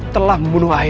telah membunuh ayahandaku